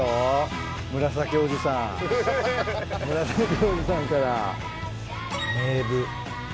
紫おじさんから。